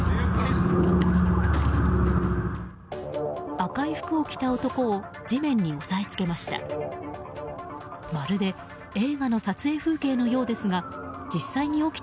赤い服を着た男を地面に押さえつけました。